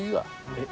えっ？